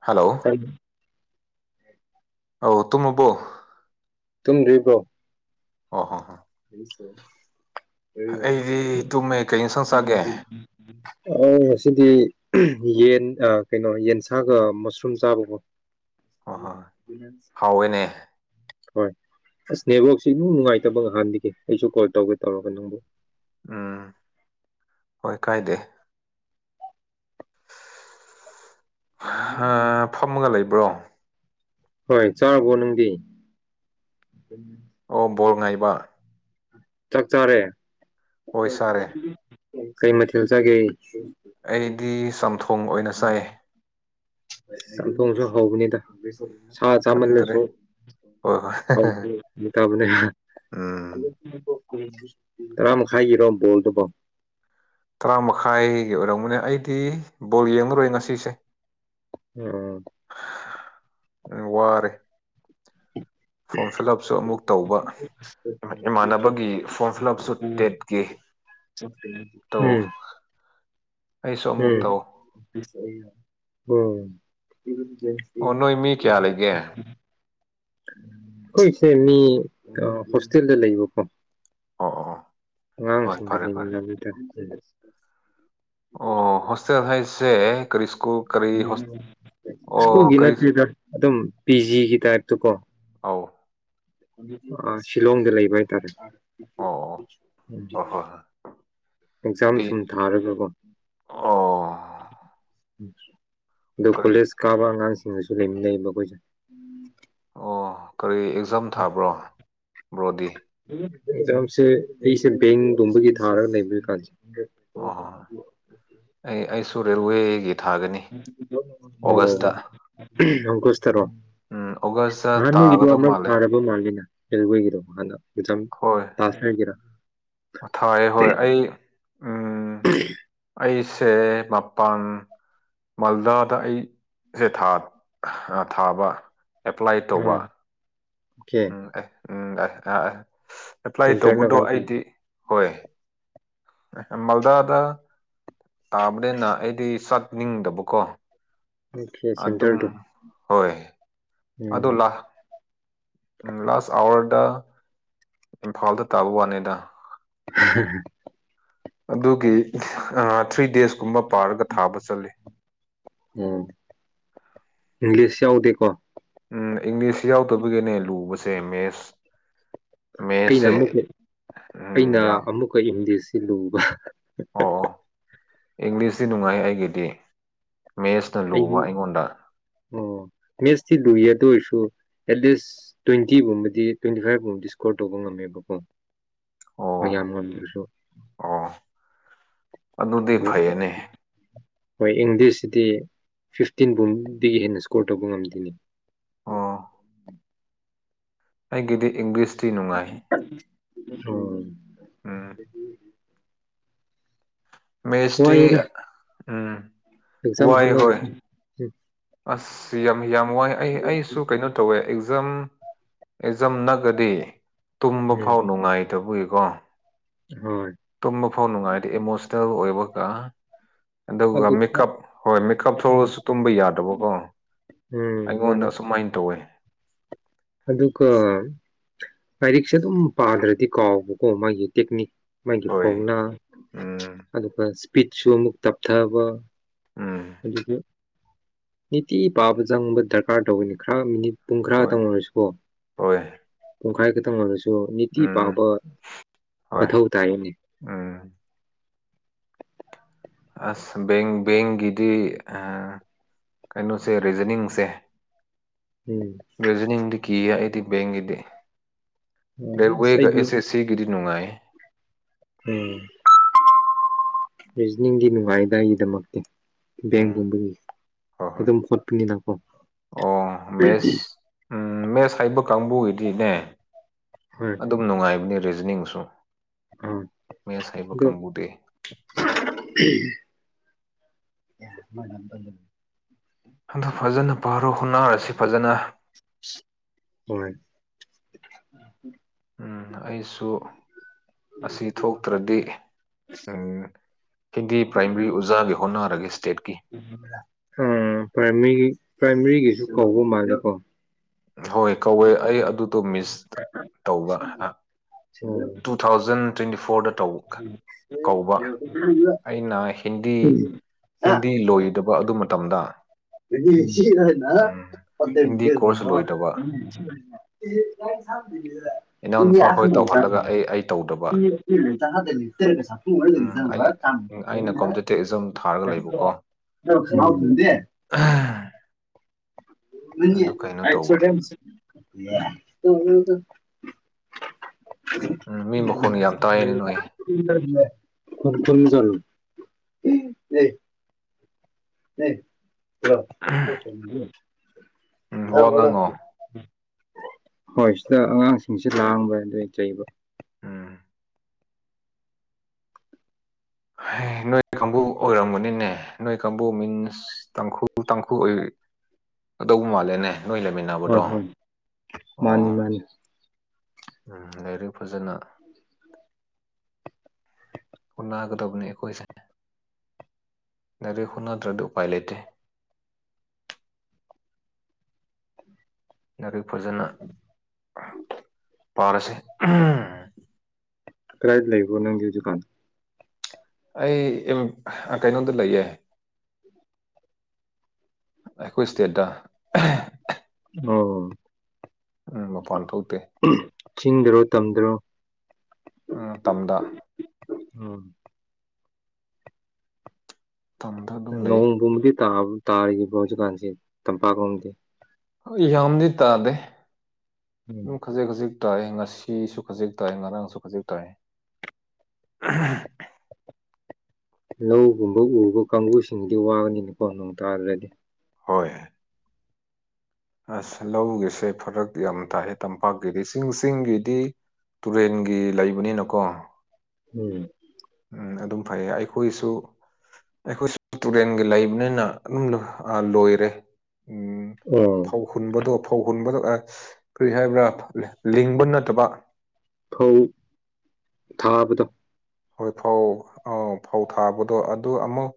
hello ꯊꯪ ꯑꯧ ꯇꯨꯃꯨꯕꯣ ꯇꯨꯝꯗ꯭ꯔꯤꯕ꯭ꯔꯣ ꯑꯣ ꯍꯣ ꯍ ꯍꯁꯨꯣ ꯑꯩꯗꯤ ꯇꯨꯝꯃꯦ ꯀꯩ ꯏꯟꯁꯥꯡ ꯆꯥꯒꯦ ꯑ ꯁꯤꯗꯤ ꯌꯦꯟ ꯀꯩꯅꯣ ꯌꯦꯟꯁꯥꯒ ꯃꯁꯔꯨꯝ ꯆꯥꯕꯕꯨꯣ ꯍ ꯍꯣꯏ ꯍꯥꯎꯋꯦꯅꯦ ꯍꯣꯏ ꯑꯁ ꯅꯦꯕꯣꯛꯁꯦ ꯏꯅꯨꯡ ꯅꯨꯡꯉꯥꯏꯇꯕ ꯉꯍꯥꯟꯗꯒꯤ ꯑꯩꯁꯨ ꯀꯣꯜ ꯇꯧꯒꯦ ꯇꯧꯔꯒ ꯅꯪꯕꯨ ꯎꯝ ꯍꯣꯏ ꯀꯥꯏꯗꯦ ꯐꯝꯃꯒ ꯂꯩꯕ꯭ꯔꯣ ꯍꯣꯏ ꯆꯥꯔꯕꯣ ꯅꯪꯗꯤ ꯑꯣ ꯣ ꯉꯥꯏꯕ ꯆꯥꯛ ꯆꯥꯔꯦ ꯍꯣꯏ ꯁꯥꯔꯦ ꯀꯩ ꯃꯊꯦꯜ ꯆꯥꯒꯦ ꯑꯩꯗꯤ ꯆꯝꯊꯣꯡ ꯑꯣꯏꯅ ꯆꯥꯏ ꯗꯣꯡꯁꯨ ꯍꯧꯕꯅꯤꯗ ꯁꯥ ꯈꯪꯗ꯭ꯔꯦ ꯆꯥꯃꯜꯂꯁꯨ ꯍꯣꯏ ꯍꯣꯏ ꯍ ꯃꯇꯕꯅꯦ ꯎꯝ ꯎ ꯇꯔꯥꯃꯛ ꯍꯥꯏꯒꯤꯔꯣ ꯕꯣꯜꯗꯨꯕꯣ ꯗꯤ ꯕꯣꯜ ꯌꯦꯡꯂꯡꯉꯨꯔꯣꯏ ꯉꯁꯤꯁꯦ ꯑꯣ ꯋꯥꯔꯦ ꯐꯣꯔꯝ ꯐꯤꯜ ꯎꯞꯁꯨ ꯑꯃꯨꯛ ꯇꯧꯕ ꯏꯃꯥꯟꯅꯕꯒꯤ ꯐꯣꯔꯝ ꯐꯤꯜ ꯑꯞꯁꯨ ꯇꯦꯠꯈꯤ ꯎꯝ ꯑꯩꯁꯨ ꯑꯃꯨꯛ ꯇꯧ ꯍ ꯑꯣꯅꯣ ꯏꯃꯤ ꯀꯌꯥ ꯂꯩꯒꯦ ꯍꯣꯏꯁꯦ ꯃꯤ ꯍꯣꯁꯇꯦꯜꯗ ꯂꯩꯕꯀꯣ ꯑꯣ ꯑꯣ ꯍꯣꯏ ꯐꯔꯦ ꯑꯉꯥꯡꯁꯤꯡꯗꯅꯤ ꯐꯔꯦ ꯑꯣ ꯍꯣꯁꯇꯦꯜ ꯍꯥꯏꯁꯦ ꯀꯔꯤ ꯁ꯭ꯀꯨꯜ ꯀꯔꯤ ꯍꯣꯁ ꯑꯣ ꯁ꯭ꯀꯨꯜꯒꯤ ꯀꯔꯤ ꯅꯠꯇ꯭ꯦꯗ ꯑꯗꯨꯝ ꯄꯤꯖꯤꯒꯤ ꯇꯥꯏꯞꯇ ꯀꯣ ꯑꯧ ꯁꯤꯂꯣꯡꯗ ꯂꯩꯕ ꯍꯥꯏꯇꯥꯔꯦ ꯑꯣ ꯎꯝ ꯍ ꯍꯣ ꯑꯦꯛꯖꯥꯝ ꯁꯨꯝ ꯊꯥꯔꯒꯀꯣ ꯑꯣ ꯑ ꯀꯔꯤ ꯀꯣꯂꯦꯖ ꯀꯥꯕ ꯑꯉꯥꯡꯁꯤꯡꯅꯁꯨ ꯂꯩꯃꯤꯟꯅꯩ ꯃꯈ ꯑꯩꯈꯣꯏꯁ ꯑꯣ ꯀꯔꯤ ꯑꯦꯛꯖꯥꯝ ꯊꯥꯕ꯭ꯔꯣ ꯕ꯭ꯔꯣꯗꯤ ꯃꯝꯁꯦ ꯑꯩꯁꯦ ꯕꯦꯡꯒꯨꯝꯕꯒꯤ ꯊꯥꯔꯒ ꯂꯩꯕꯣꯏ ꯀꯥꯟꯁꯦ ꯑꯣ ꯑꯩ ꯑꯩꯁꯨ ꯔꯦꯜꯦꯜꯋꯦꯒꯤ ꯑꯣ ꯑꯪꯀꯨꯁ ꯇꯔꯣ ꯎꯝ ꯑꯣꯒꯁꯇ ꯑꯍꯥꯟꯥꯟꯕꯣꯏꯒꯤꯗ ꯇꯥꯒꯗꯕ ꯑꯃꯛ ꯃꯥꯜꯂꯦ ꯊꯥꯔꯕ ꯃꯥꯜꯂꯤꯅ ꯑꯣꯏꯣꯏꯒꯔꯣꯥꯟꯅ ꯇꯥꯁ ꯍꯥꯏꯒꯔ ꯑꯣ ꯊꯥꯏ ꯍꯣꯏ ꯑꯩ ꯎꯝ ꯑꯩ ꯆꯦ ꯃꯄꯥꯟ ꯃꯥꯜꯗꯥꯗ ꯑꯩꯁꯦ ꯊꯥ ꯊꯥꯕ ꯑꯦꯄ꯭ꯂꯥꯏ ꯇꯧꯕ ꯑꯥ ꯑꯣꯀꯦ ꯎꯝ ꯎꯝ ꯑ ꯑꯦꯄ꯭ꯂꯥꯏ ꯁꯦꯟꯇꯔꯅ ꯇꯧꯕꯗꯣ ꯀꯥꯏ ꯇꯥꯒꯦ ꯑꯩꯗꯤ ꯍꯣꯏ ꯃꯜꯗꯥꯗ ꯇꯥꯕꯅꯦꯅ ꯑꯦꯗꯤ ꯁꯠ ꯅꯤꯡꯗꯕꯀꯣ ꯑꯣꯀꯦ ꯑꯗꯨꯝ ꯁꯦꯟꯇꯔꯗꯣ ꯍꯣꯏ ꯑꯗꯨ ꯎꯝ ꯂꯥꯛ ꯎꯝ ꯂꯥꯁ ꯑꯋꯥꯔꯗ ꯏꯝꯐꯥꯜꯗ ꯇꯥꯕ ꯋꯥꯅꯦꯗ [inaudible] ꯑꯗꯨꯒꯤ ꯊ꯭ꯔꯤ ꯗꯦꯁꯀꯨꯝꯕ ꯄꯥꯔꯒ ꯊꯥꯕ ꯆꯠꯂꯤ ꯑꯣꯝ ꯏꯪꯂꯤꯁ ꯌꯥꯎꯗ ꯀꯣ ꯏꯪꯂꯤꯁ ꯌꯥꯎꯗꯕꯒꯤꯅꯦ ꯂꯨꯕꯁꯦ ꯃꯦꯁ ꯑꯩꯅ ꯑꯃꯨꯛꯀ ꯎꯝ ꯑꯩꯅ ꯌꯥꯝ ꯑꯃꯨꯛꯀ ꯏꯝꯗꯁꯤ ꯂꯨꯕ ꯏꯪꯂꯤꯁꯁꯤ ꯅꯨꯡꯉꯥꯏ ꯑꯩꯒꯤꯗꯤ ꯃꯦꯠꯁꯅ ꯑ ꯂꯨꯕ ꯑꯩꯉꯣꯟꯗ ꯑꯣ ꯃꯦꯁ ꯊ ꯂꯨꯏ ꯑꯗꯨ ꯑꯣꯏꯔꯁꯨ ꯑꯦꯠꯂꯤꯁ ꯇ꯭ꯋꯦꯟꯇꯤꯒꯨꯝꯕꯗꯤ ꯇ꯭ꯋꯦꯟꯇꯤ ꯐꯥꯏꯚꯒꯨꯝꯕꯗꯤ ꯁꯀꯣꯔ ꯇꯧꯕ ꯉꯝꯃꯦꯕꯀꯣ ꯑꯣ ꯃ ꯌꯥꯅ ꯋꯥꯁꯨ ꯑꯣ ꯑꯗꯨꯗꯤ ꯐꯩꯌꯦꯅꯦ ꯍꯣꯏ ꯑꯦꯡꯗꯤꯁꯤꯗꯤ ꯐꯤꯐꯇꯤꯟ ꯐꯨꯝꯕꯗꯒꯤ ꯍꯦꯟꯅ ꯁ꯭ꯀꯣꯔ ꯇꯧꯕ ꯉꯝꯗꯣꯏꯅꯤ ꯎ ꯑꯣ ꯑꯩꯒꯤꯗꯤ ꯏꯪꯂꯤꯁ ꯍꯝ ꯎꯝ ꯃꯦꯁꯇꯔꯤ ꯎꯝ ꯑꯦꯖꯝ ꯋꯥꯏ ꯐꯅ ꯍꯣꯏ ꯑꯁ ꯌꯥꯝ ꯌꯥꯝ ꯋꯥꯏ ꯑꯩ ꯑꯩꯁꯨ ꯀꯩꯅꯣ ꯇꯧꯋꯦ ꯑꯦꯛꯖꯥꯝ ꯆꯝꯅꯒꯗꯤ ꯇꯨꯝꯕ ꯎꯝ ꯐꯥꯎ ꯅꯨꯡꯉꯥꯏꯇꯕꯏꯀꯣ ꯍꯣꯏ ꯇꯨꯝꯕ ꯐꯥꯎ ꯅꯨꯡꯉꯥꯏꯗꯤ ꯏꯃꯣꯁꯅꯦꯜ ꯑꯣꯏꯕꯒ ꯑꯗꯨꯒ ꯃꯦꯀꯞ ꯍꯣꯏ ꯃꯦꯀꯞ ꯊꯣꯛꯁꯨ ꯇꯨꯝꯕ ꯌꯥꯗꯕꯣ ꯎꯝ ꯑꯩꯉꯣꯟꯗ ꯃꯥꯅꯤ ꯑꯁꯨꯨꯝꯃꯥꯏꯅ ꯇꯧꯋꯦ ꯑꯗꯨꯒ ꯂꯥꯏꯔꯤꯛꯁꯦ ꯑꯗꯨꯝ ꯄꯥꯗ꯭ꯔꯗꯤ ꯀꯥꯎꯕꯀꯣ ꯃꯥꯒꯤ ꯇꯦꯛꯅꯤꯛ ꯃꯥꯒꯤ ꯍꯣꯏ ꯐꯣꯡꯅ ꯎꯝ ꯑꯗꯨꯒ ꯏꯁꯄꯤꯠꯁꯨ ꯑꯃꯨꯛ ꯇꯞꯊꯕ ꯎꯝ ꯑꯗꯨꯁꯨ ꯅꯤꯇꯤ ꯄꯥꯕ ꯆꯪꯕ ꯗꯔꯀꯥꯔ ꯇꯧꯕꯅꯤ ꯈꯔ ꯃꯤꯅꯤꯠ ꯄꯨꯡ ꯈꯔꯥꯒ ꯍꯣꯏ ꯇꯪꯅꯔꯁꯤꯀꯣ ꯍꯣꯏ ꯄꯨꯡꯈꯥꯏ ꯈꯛꯇꯪꯅꯔꯁꯤ ꯣ ꯅꯅꯤꯇ ꯎꯝ ꯄꯥꯕ ꯍꯣꯏ ꯑꯊꯧꯗꯥꯅꯤ ꯎꯝ ꯑꯁꯦꯡ ꯦꯡꯒꯤꯗꯤ ꯑ ꯀꯩꯅꯣꯁꯦ ꯔꯤꯖꯅꯤꯡꯁꯦ ꯎꯝ ꯔꯤꯖꯅꯤꯡꯡꯗꯨ ꯀꯤꯌꯥ ꯏꯗꯤ ꯦꯦꯡ ꯏꯗꯤ ꯎꯝ ꯔꯦꯦꯜꯋꯦ ꯑꯁ ꯀ ꯑꯩꯗꯤ ꯑꯦꯁꯦ ꯁꯤꯒꯗꯤ ꯅꯨꯡꯉꯥꯏ ꯎꯝ ꯔꯤꯖꯅꯤꯡꯒꯤ ꯅꯨꯡꯉꯥꯏꯗꯥ ꯑꯩꯒꯤꯗꯃꯛꯇꯤ ꯎꯝ ꯦꯡꯦꯡꯕꯣꯝꯝꯕ ꯍꯣꯏ ꯑꯩꯣ ꯍꯣꯏ ꯃ ꯈꯠ ꯄꯤꯅꯤ ꯅꯄꯥꯎ ꯑꯣ ꯃꯦꯠꯁ ꯎꯝ ꯃꯦꯠꯁ ꯍꯥꯏꯕ ꯀꯥꯡꯕꯨꯒꯤꯗꯤꯅꯦ ꯍꯣꯏ ꯑꯗꯨꯝ ꯅꯨꯡꯉꯥꯏꯕꯅꯦ ꯔꯤꯖꯅꯤꯡꯁꯨ ꯑꯥ ꯃꯁꯥꯏꯕ ꯑꯗꯣ ꯀꯪꯕꯨꯗꯦ ꯌꯥ ꯃ ꯍꯟꯗ ꯐꯖꯅ ꯚꯔꯣ ꯍꯨꯅꯥꯔꯁꯤ ꯐꯖꯅ ꯍ ꯎꯝ ꯑꯩꯁꯨ ꯑꯁꯤ ꯊꯣꯛꯇ꯭ꯔꯗꯤ ꯎꯝ ꯍꯤꯟꯗꯤ ꯄ꯭ꯔꯥꯏꯃꯔꯤ ꯑꯣꯖꯥꯒꯤ ꯍꯣꯠꯅꯔꯒꯦ ꯏꯁꯇꯦꯠꯀꯤ ꯑꯥ ꯄ꯭ꯔꯥꯏꯃꯔꯤꯒꯤ ꯄ꯭ꯔꯥꯏꯃꯔꯤꯒꯤꯁꯨ ꯀꯧꯕ ꯃꯥꯜꯂꯦꯀꯣ ꯍꯣꯏ ꯀꯧꯋꯦ ꯑꯩ ꯑꯗꯨꯗꯣ ꯃꯤꯁ ꯇꯧꯕ ꯑꯣ ꯇꯨ ꯊꯥꯎꯖꯟ ꯇ꯭ꯋꯦꯟꯇꯤ ꯐꯣꯔꯗ ꯀꯧꯕ ꯑꯩꯅ ꯍꯤꯟꯗꯤ ꯍꯤꯟꯗꯤ ꯂꯣꯏꯗꯕ ꯑꯗꯨ ꯃꯇꯝꯗ ꯑꯗꯨꯗꯤꯁꯤꯅ ꯎꯝ ꯍꯤꯟꯗꯤ ꯀꯣꯔꯁ ꯂꯣꯏꯗꯕ ꯏꯅꯥꯎꯅꯨꯄꯥ ꯈꯣꯏ ꯇꯧꯍꯜꯂꯒ ꯑꯩ ꯑꯩ ꯇꯧꯗꯕ ꯎꯝ ꯑꯩ ꯑꯩꯅ [unintelligible] [unintelligible] [unintelligible] ꯀꯝꯄꯤꯇꯤꯇꯤꯞ ꯑꯦꯛꯖꯥꯝ ꯊꯥꯔꯒ ꯂꯩꯕꯀꯣ [unintelligible] ꯑꯗꯨ ꯀꯩꯅꯣ ꯇꯧꯕ [unintelligible] [unintelligible] ꯎꯝ ꯃꯤ ꯃꯈꯣꯟ ꯌꯥꯝ ꯇꯥꯏꯌꯦꯅꯦ ꯅꯣꯏ [unintelligible] [unintelligible] [unintelligible] ꯎꯝ ꯋꯥ ꯉꯥꯡꯉꯣ [unintelligible] ꯍꯣꯏ ꯁꯤꯗ ꯑꯉꯥꯡꯁꯤꯡꯁꯤ ꯂꯥꯡꯕ ꯑꯗꯨꯏ ꯆꯩꯕ ꯎꯝ ꯅꯣꯏ ꯀꯥꯡꯕꯨ ꯑꯣꯏꯔꯝꯕꯅꯤꯅꯦ ꯅꯣꯏ ꯀꯥꯡꯕꯨ ꯃꯤꯟꯁ ꯇꯥꯡꯈꯨ ꯇꯥꯡꯈꯨꯜ ꯑꯣꯏ ꯑꯣꯏꯗꯣ ꯃꯥꯜꯂꯦꯅꯦ ꯅꯣꯏ ꯍꯣꯏ ꯂꯩꯃꯤꯟꯅꯕꯗꯣ ꯍꯣꯏ ꯑꯣ ꯃꯥꯅꯤ ꯃꯥꯅꯤ ꯎꯝ ꯂꯩꯔꯤ ꯐꯖꯅ ꯎꯅꯥꯒꯗꯣꯕꯅꯦ ꯑꯈꯣꯏꯁꯦ ꯂꯥꯏꯔꯤꯛ ꯍꯣꯠꯅꯗ꯭ꯔꯗꯤ ꯎꯄꯥꯏ ꯂꯩꯇꯦ ꯂꯥꯏꯔꯤꯛ ꯐꯖꯅ ꯄꯥꯔꯁꯤ ꯀꯔꯥꯏꯗ ꯂꯩꯕꯔꯣ ꯅꯪꯗꯤ ꯍꯧꯖꯤꯛ ꯀꯥꯟ ꯑꯩ ꯀꯩꯅꯣꯗ ꯂꯩꯌꯦ ꯑꯩꯈꯣꯏ ꯏꯁꯇꯦꯠꯇ ꯑꯣ ꯎꯝ ꯃꯄꯥꯟ ꯊꯣꯛꯇꯦ ꯇꯝꯗ꯭ꯔꯣ ꯎ ꯇꯝꯗ ꯎꯝ ꯇꯝꯗ ꯑꯗꯨꯝ ꯂꯩ ꯇꯥ ꯇꯥꯔꯤꯕꯔꯣ ꯍꯧꯀꯥꯟꯁꯤ ꯇꯝꯄꯥꯛꯂꯣꯝꯗꯤ ꯌꯥꯝꯗꯤ ꯇꯥꯗꯦ ꯎꯝ ꯑꯗꯨꯝ ꯈꯖꯤꯛ ꯈꯖꯤꯛ ꯇꯥꯏ ꯉꯁꯤꯁꯨ ꯈꯖꯤꯛ ꯇꯥꯏ ꯉꯔꯥꯡꯁꯨ ꯈꯖꯤꯛ ꯇꯥꯏ [unintelligible] ꯂꯧꯒꯨꯝꯕ ꯎꯕ ꯀꯥꯡꯕꯨꯁꯤꯡꯗꯤ ꯋꯥꯒꯅꯤꯅꯀꯣ ꯅꯣꯡ ꯇꯥꯗꯔꯗꯤ ꯍꯣꯏ ꯑꯁ ꯂꯧꯒꯤꯁꯦ ꯐꯔꯛ ꯌꯥꯝ ꯇꯥꯏꯌꯦ ꯇꯝꯄꯥꯛꯀꯤꯗꯤ ꯆꯤꯡ ꯆꯤꯡꯒꯤꯗꯤ ꯇꯨꯔꯦꯟꯒꯤ ꯂꯩꯕꯅꯤꯅꯀꯣ ꯎꯝ ꯎꯝ ꯑꯗꯨꯝ ꯐꯩꯌꯦ ꯑꯩꯈꯣꯏꯁꯨ ꯑꯩꯈꯣꯏꯁꯨ ꯇꯨꯔꯦꯟꯒꯤ ꯂꯩꯕꯅꯤꯅ ꯑꯗꯨꯝ ꯂꯣꯏꯔꯦ ꯎꯝ ꯑꯣ ꯐꯧ ꯍꯨꯟꯕꯗꯣ ꯐꯧ ꯍꯨꯟꯕ ꯀꯔꯤ ꯍꯥꯏꯕ꯭ꯔꯥ ꯂꯤꯡꯕ ꯅꯠꯇꯕ ꯐꯧ ꯊꯥꯕꯗꯣ ꯍꯣꯏ ꯐꯧ ꯑꯥ ꯐꯧ ꯊꯥꯕꯗꯣ ꯑꯗꯨ ꯑꯃꯨꯛ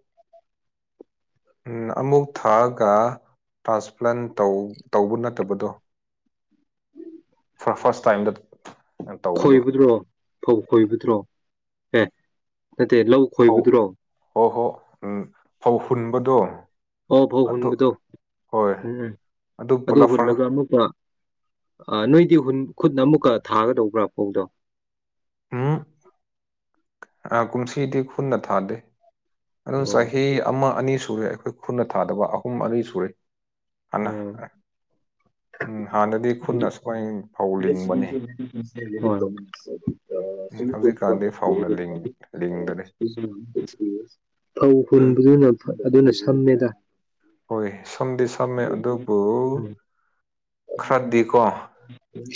ꯎꯝ ꯑꯃꯨꯛ ꯊꯥꯔꯒ ꯇ꯭ꯔꯥꯟꯁꯄ꯭ꯂꯥꯟ ꯇꯧꯕ ꯅꯠꯇꯕꯗꯣ ꯐ ꯐꯥꯔꯁ ꯇꯥꯏꯝꯗ ꯇꯧꯕꯗꯣ ꯈꯣꯏꯕꯗꯨꯔꯣ ꯐꯧ ꯈꯣꯏꯕꯗꯨꯔꯣ ꯑꯦ ꯅꯠꯇꯦ ꯂꯧ ꯈꯣꯏꯕꯗꯨꯔꯣ ꯑꯣ ꯍꯣ ꯎꯝ ꯐꯧ ꯍꯨꯟꯕꯗꯣ ꯑꯣ ꯐꯥꯎ ꯑꯗꯨ ꯍꯨꯟꯕꯗꯣ ꯍꯣꯏ ꯎꯝ ꯑꯗꯨ ꯄꯨꯂꯞ ꯐꯔ ꯍꯨꯜꯂꯒ ꯑꯃꯨꯛꯀ ꯑ ꯅꯣꯏ ꯈꯨꯠ ꯑꯃꯨꯛꯀ ꯊꯥꯒꯗꯧꯕ꯭ꯔꯥ ꯐꯧꯗꯣ ꯎꯝ ꯀꯨꯝꯁꯤꯗꯤ ꯈꯨꯟꯅ ꯊꯥꯗꯦ ꯑꯗꯨꯝ ꯎꯝ ꯆꯍꯤ ꯑꯃ ꯑꯅꯤ ꯁꯨꯔꯦ ꯑꯩꯈꯣꯏ ꯈꯨꯟꯅ ꯊꯥꯗꯕ ꯑꯍꯨꯝ ꯑꯅꯤ ꯁꯨꯔꯦ ꯍꯅ ꯎꯝ ꯎꯝ ꯍꯥꯟꯅꯗꯤ ꯈꯨꯅꯁꯨꯃꯥꯏ [unintelligible] ꯎꯝ ꯍꯧꯖꯤꯛꯀꯥꯟꯗꯤ ꯐꯧꯅ ꯂꯤꯡ ꯂꯤꯡꯗꯔꯦ ꯐꯧ ꯍꯨꯟꯕꯗꯨꯅ ꯑꯗꯨꯅ ꯁꯝꯃꯦꯗ ꯍꯣꯏ ꯁꯝꯗꯤ ꯁꯝꯃꯦ ꯑꯗꯨꯕꯨ ꯎꯝ ꯈꯔꯗꯤꯀꯣ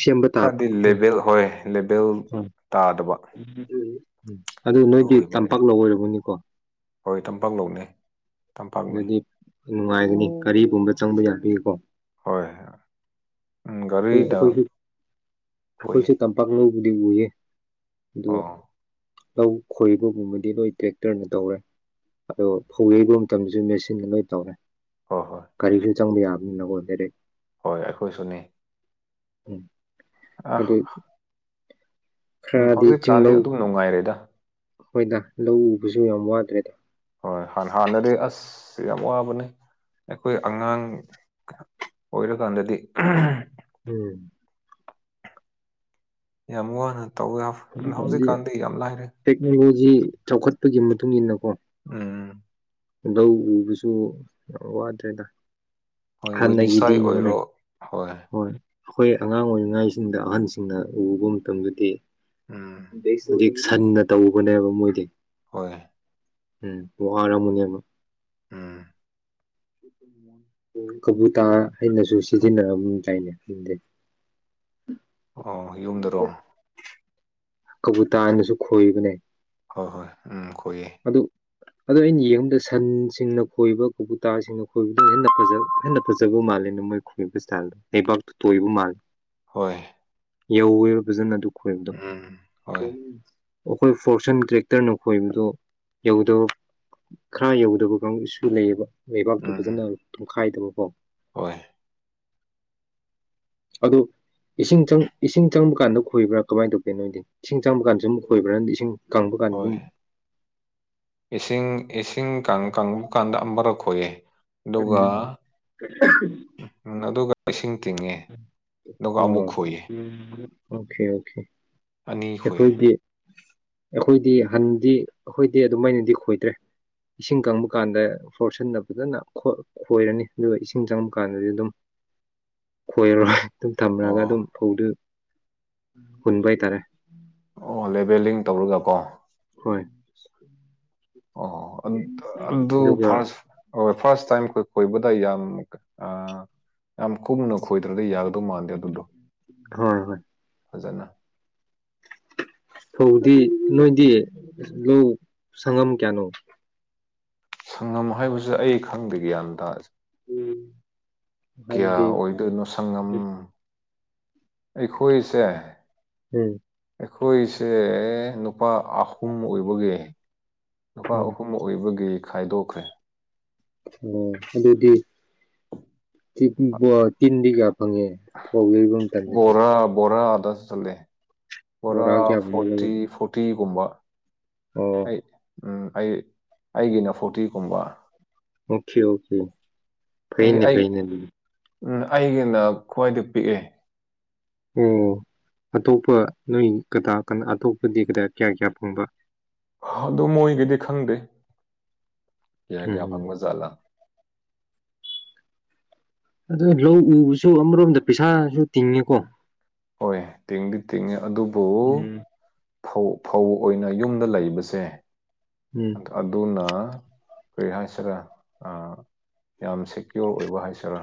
ꯁꯦꯝꯕ ꯇꯥꯕ ꯈꯔꯗꯤ ꯎꯝ ꯂꯦꯚꯦꯜ ꯍꯣꯏ ꯂꯦꯚꯦꯜ ꯎꯝ ꯇꯥꯗ ꯎꯝ ꯑꯗꯨ ꯅꯣꯏꯗꯤ ꯇꯝꯄꯥꯛꯅ ꯑꯣꯏꯔꯕꯅꯤꯀꯣ ꯅꯦ ꯇꯝꯄꯥꯛꯅꯦ ꯅꯨꯡꯉꯥꯏꯒꯅꯤ ꯀꯔꯤꯒꯨꯝꯕ ꯆꯪꯕ ꯌꯥꯕꯤꯒꯦꯀꯣ ꯍꯣꯏ ꯎꯝ ꯒꯥꯔꯤꯗ ꯑꯩꯈꯣꯏ ꯈꯣꯏꯌꯦ ꯑꯩꯈꯣꯏꯁꯦ ꯇꯝꯄꯥꯛ ꯂꯧ ꯕꯨꯗꯤ ꯎꯌꯦ ꯑꯗꯨ ꯑꯣ ꯂꯧ ꯈꯣꯏꯕꯒꯨꯝꯕꯗꯤ ꯂꯣꯏ ꯇ꯭ꯔꯦꯛꯇꯔꯅ ꯇꯧꯔꯦ ꯑꯗꯣ ꯐꯧ ꯌꯩꯕ ꯃꯇꯝꯗꯁꯨ ꯃꯦꯆꯤꯟꯗ ꯂꯣꯏ ꯇꯧꯔꯦ ꯍꯣꯏ ꯍꯣꯏ ꯒꯥꯔꯤꯁꯨ ꯆꯪꯕ ꯌꯥꯕꯅꯤꯅꯀꯣ ꯗꯥꯢꯔꯦꯛ ꯍꯣꯏ ꯑꯩꯈꯣꯏꯁꯨꯅꯤ ꯎꯝ ꯑꯗꯨ ꯎꯝ ꯈꯔꯗꯤ ꯆꯤꯡꯂꯧ ꯍꯧꯖꯤꯛꯀꯥꯟꯗꯤ ꯑꯗꯨꯝ ꯅꯨꯡꯉꯥꯏꯔꯦꯗ ꯍꯣꯏꯗ ꯂꯧ ꯎꯕꯁꯨ ꯌꯥꯝ ꯋꯥꯗ꯭ꯔꯦꯗ ꯍꯣꯏ ꯍꯥꯟꯅꯗꯤ ꯑꯁ ꯌꯥꯝ ꯋꯥꯕꯅꯦ ꯑꯩꯈꯣꯏ ꯑꯉꯥꯡ ꯑꯣꯏꯔꯀꯥꯟꯗꯗꯤ ꯎꯝ ꯌꯥꯝ ꯋꯥꯅ ꯇꯧꯋꯦ ꯍꯧꯖꯤꯛꯀꯥꯟꯗꯤ ꯌꯥꯝ ꯂꯥꯏꯔꯦ ꯁꯤ ꯆꯥꯎꯈꯠꯄꯒꯤ ꯃꯇꯨꯡ ꯏꯟꯅꯀꯣ ꯎꯝ ꯂꯧ ꯎꯕꯁꯨ ꯌꯥꯝ ꯋꯥꯗ꯭ꯔꯦꯗ ꯍꯣꯏ ꯋꯦꯗꯤꯁꯥꯏ ꯍꯥꯟꯅꯒꯤꯗꯤꯅꯦ ꯑꯣꯏꯔꯣ ꯍꯣꯏ ꯑꯩꯈꯣꯏ ꯑꯉꯥꯡ ꯑꯣꯏꯔꯤꯉꯩꯁꯤꯡꯗ ꯑꯍꯟꯁꯤꯡꯅ ꯎꯕ ꯎꯝ ꯃꯇꯝꯗꯗꯤꯖꯤ ꯁꯟꯅ ꯇꯧꯕꯅꯦꯕ ꯃꯣꯏꯗꯤ ꯍꯣꯏ ꯎꯝ ꯋꯥꯔꯝꯃꯅꯤꯕ ꯎꯝ ꯀꯕꯨꯇꯥꯥ ꯍꯥꯏꯅꯁꯨ ꯁꯤꯖꯤꯟꯅꯔꯝ ꯗꯥꯏꯅꯦ [inaudible] ꯑꯣ ꯌꯨꯝꯗꯔꯣ ꯀꯨꯕꯨꯇꯥꯅꯁꯨ ꯈꯣꯏꯕꯅꯦ ꯍꯣꯏ ꯍꯣꯏ ꯎꯝ ꯈꯣꯏꯑꯦ ꯑꯗꯨ ꯑꯗꯣ ꯑꯩꯅ ꯌꯦꯡꯕꯗ ꯁꯟꯁꯤꯡꯅ ꯈꯣꯏꯕ ꯀꯕꯨꯨꯇꯥꯁꯤꯡꯅ ꯈꯣꯏꯕꯗ ꯍꯦꯟꯅ ꯍꯦꯟꯅ ꯐꯖꯕ ꯃꯥꯜꯂꯦ ꯅ ꯃꯣꯏ ꯈꯨꯣꯏꯕꯁ ꯆꯂꯣ ꯅꯕꯥꯛ ꯇꯣꯏꯕ ꯃꯥꯜꯂꯦ ꯍꯣꯏ ꯌꯧꯋꯦꯕ ꯐꯖꯅ ꯑꯗꯨ ꯈꯣꯏꯕꯗꯣ ꯎꯝ ꯍꯣꯏ ꯑꯩꯈꯣꯏ ꯐꯣꯔꯁꯟ ꯇ꯭ꯔꯦꯛꯇꯔꯅ ꯈꯣꯏꯕꯗꯨ ꯌꯧꯗꯕ ꯈꯔ ꯌꯧꯗꯕ ꯀꯥꯡꯁꯨ ꯂꯩꯌꯦꯕ ꯂꯩꯕꯥꯛꯇꯨ ꯎꯝ ꯐꯖꯅ ꯇꯨꯡꯈꯥꯏꯗꯕꯀꯣ ꯍꯣꯏ ꯑꯗꯨ ꯏꯁꯤꯡꯆꯪ ꯏꯁꯤꯡ ꯆꯪꯕ ꯀꯥꯟꯗ ꯈꯣꯏꯕ꯭ꯔꯥ ꯀꯃꯥꯏꯅ ꯇꯧꯒꯦ ꯅꯣꯏꯗꯤ ꯏꯁꯤꯡ ꯆꯪꯕ ꯀꯥꯟꯗ ꯁꯨꯝ ꯈꯣꯏꯕ꯭ꯔꯥ ꯅꯪꯗꯤ ꯏꯁꯤꯡ ꯍꯣꯏ ꯀꯥꯡꯕꯨꯒꯥꯟꯒꯨꯝ ꯏꯁꯤꯡ ꯏꯁꯤꯡ ꯀꯪꯂ ꯀꯥꯟꯗ ꯑꯃꯝꯕꯔ ꯈꯣꯏꯑꯦ ꯑꯗꯨꯒ ꯎꯝ ꯑꯗꯨꯒ ꯏꯁꯤꯡ ꯇꯤꯡꯉꯦ ꯑꯗꯨꯒ ꯑꯃꯨꯛ ꯑꯣ ꯈꯣꯏꯑ ꯑꯣꯀꯦ ꯑꯣꯀꯦ ꯑꯅꯤꯦꯛ ꯍꯌꯦ ꯑꯩꯈꯣꯏꯗꯤ ꯑꯩꯈꯣꯏꯗꯤ ꯍꯟꯗꯤ ꯑꯩꯈꯣꯏꯗꯤ ꯑꯗꯨꯃꯥꯏꯅꯗꯤ ꯈꯣꯏꯗ꯭ꯔꯦ ꯏꯁꯤꯡ ꯀꯪꯕ ꯀꯥꯟꯗ ꯐꯣꯔꯁꯟꯅ ꯐꯖꯅ ꯈꯣꯏꯔꯅꯤ ꯑꯗꯨꯒ ꯏꯁꯤꯡ ꯆꯪꯕ ꯀꯥꯟꯗꯗꯤ ꯑꯗꯨꯝ [inaudible] ꯈꯣꯏꯔꯔꯣꯏ ꯑꯗꯨꯝ ꯊꯝꯃꯒ ꯑꯣ ꯑꯗꯨꯝ ꯐꯧꯗꯨ ꯍꯨꯟꯕ ꯍꯥꯏꯇꯥꯔꯦ ꯑꯣ ꯂꯦꯕꯦꯜꯂꯤꯡ ꯇꯧꯔꯒ ꯀꯣ [inaudible] ꯑꯣ ꯑꯗꯨ ꯑꯗꯨ ꯑꯗꯨꯒ ꯐꯥꯔ ꯍ ꯐꯥ ꯇꯥꯏꯣꯏ ꯑꯣꯏꯕꯗ ꯌꯥꯝ ꯑ ꯌꯥꯝ ꯀꯨꯝꯅ ꯈꯣꯏꯗ꯭ꯔꯗꯤ ꯌꯥꯒꯗꯧ ꯃꯥꯟꯗꯦ ꯑꯗꯨꯗꯣ ꯍꯣꯏ ꯍꯣꯏ ꯐꯖꯅ ꯐꯧꯗꯤ ꯅꯣꯏꯗꯤ ꯂꯧ ꯁꯪꯉꯝ ꯀꯌꯥꯅꯣ ꯁꯪꯉꯝ ꯍꯥꯏꯕꯁꯦ ꯑꯩ ꯈꯪꯗꯦ ꯒ꯭ꯌꯥꯟ ꯇꯥꯁꯦ ꯎꯝ ꯀꯌꯥ ꯑꯣꯏꯗꯣꯏꯅꯣ ꯁꯪꯉꯝ ꯑꯩꯈꯣꯏꯁꯦ ꯎꯝ ꯑꯩꯈꯣꯏꯁꯦ ꯅꯨꯄꯥ ꯑꯍꯨꯝ ꯑꯣꯏꯕꯒꯤ ꯅꯨꯨꯄꯥ ꯎꯝ ꯑꯍꯨꯝ ꯑꯣꯏꯕꯒꯤ ꯈꯥꯏꯗꯣꯛꯈ꯭ꯔꯦ ꯑꯣ ꯑꯗꯨ ꯑꯗꯨꯗꯤ ꯇꯤꯟꯗꯤꯒ ꯕꯣꯔꯥ ꯕꯣꯔꯥ ꯆꯠꯂꯦ ꯄꯨꯔꯥ ꯕꯣꯔꯥ ꯀꯌꯥ ꯐꯪꯕ ꯂꯩ ꯐꯣꯔꯇꯤ ꯐꯣꯔꯇꯤꯒꯨꯝꯕ ꯑꯣ ꯎꯝ ꯑꯩ ꯑꯩꯒꯤꯅ ꯐꯣꯔꯇꯤꯒꯨꯝꯕ ꯑꯣꯀꯦ ꯑꯣꯀꯦ ꯐꯩꯅꯦ ꯐꯩꯅꯦ ꯎꯝ ꯑꯩꯒꯤꯅ ꯈ꯭ꯋꯥꯏꯗꯒꯤ ꯄꯤꯛꯑꯦ ꯑꯣ ꯑꯇꯣꯞꯄ ꯅꯣꯏ ꯀꯗꯥ ꯀ ꯑꯇꯣꯞꯄꯗꯤ ꯀ ꯀꯌꯥ ꯀꯌꯥ ꯐꯪꯕ ꯑꯗꯨ ꯃꯣꯏꯒꯤꯗꯤ ꯈꯪꯗꯦ ꯀꯌꯥ ꯀꯌꯥ ꯎꯝ ꯐꯪꯕ ꯖꯥꯠꯂꯥ ꯑ ꯂꯧ ꯎꯕꯁꯨ ꯑꯃꯔꯣꯝꯗ ꯄꯩꯁꯥꯁꯨ ꯇꯤꯡꯉꯦꯀꯣ ꯍꯣꯏ ꯇꯤꯡꯗꯤ ꯇꯤꯡꯉꯦ ꯑꯗꯨꯕꯨ ꯎꯝ ꯐꯧ ꯐꯧ ꯑꯣꯏꯅ ꯌꯨꯝꯗ ꯂꯩꯕꯁꯦ ꯎꯝ ꯑꯗꯨꯅ ꯀꯔꯤꯍꯁꯤꯗ ꯑ ꯌꯥꯝ ꯁꯦꯀ꯭ꯌꯣꯔ ꯑꯣꯏꯕ ꯍꯥꯏꯁꯤꯔꯥ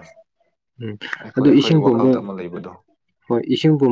ꯎꯝ ꯑꯩꯈꯣꯏ ꯑꯗꯨ ꯏꯁꯤꯡ ꯑꯩꯈꯣꯏꯒꯤ ꯄꯨꯝꯕ ꯋꯥꯈꯜꯗ ꯑꯃ ꯂꯩꯕꯗꯣ ꯍꯣꯏ ꯏꯁꯤꯡ ꯄꯨꯝꯕ